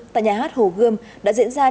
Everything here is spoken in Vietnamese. tại nhà hát hồ gươm đã diễn ra